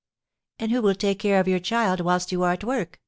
"And who will take care of your child whilst you are at work?"